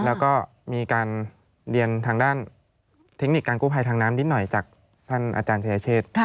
แล้วก็มีการเรียนทางด้านเทคนิคการกู้ภัยทางน้ำนิดหน่อยจากท่านอาจารย์ชายเชษ